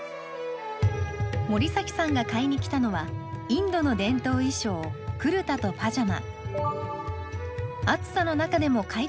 森崎さんが買いに来たのはインドの伝統衣装クルタとパジャマ。